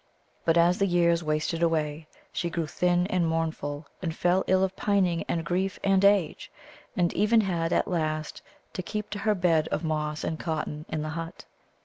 But as the years wasted away, she grew thin and mournful, and fell ill of pining and grief and age, and even had at last to keep to her bed of moss and cotton in the hut.